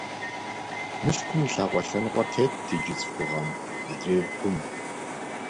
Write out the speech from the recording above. Мылъкум и лъакъуэ лъэныкъуэр тетт иджы ЦӀыхугъэм, адрейр - Гум.